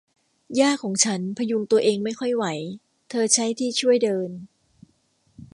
ย่าของฉันพยุงตัวเองไม่ค่อยไหว เธอใช้ที่ช่วยเดิน